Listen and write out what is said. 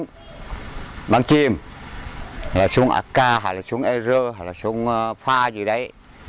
chúng là súng kim là súng ak hay là súng ar hay là súng pha gì đấy